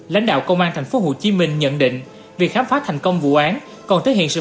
lãnh đạo công an thành phố hồ chí minh nhận định việc khám phá thành công vụ án còn thể hiện sự